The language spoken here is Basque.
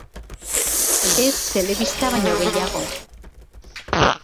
Ez telebista baino gehiago.